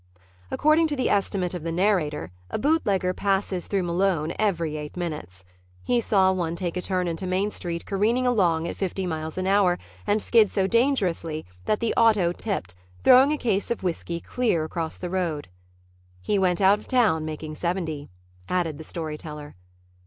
According to the estimate of the narrator, a bootlegger passes through Malone every eight minutes. He saw one take a turn into Main Street careening along at fifty miles an hour and skid so dangerously that the auto tipped, throwing a case of whiskey clear across the road. "He went out of town making seventy," added the story teller.